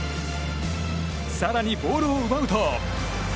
更にボールを奪うと。